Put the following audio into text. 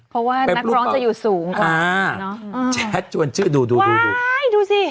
เพราะว่านักร้องจะอยู่สูงค่ะแจ๊กชวนชื่นดูว้ายดูสิ